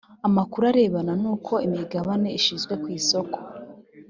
amakuru arebana n’uko imigabane ishyizwe ku isoko